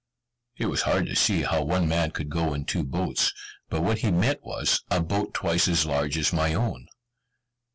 It was hard to see how one man could go in two boats, but what he meant was, a boat twice as large as my own.